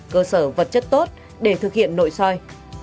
cơ sở vật chất tốt để thực hiện nội soi